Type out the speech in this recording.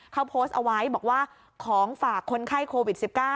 เขาโพสต์เอาไว้บอกว่าของฝากคนไข้โควิด๑๙